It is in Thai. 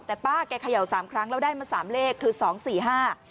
แต่ป้าแกเขย่าสามครั้งแล้วได้มาสามเลขคือสองสี่ห้า